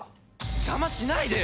邪魔しないでよ！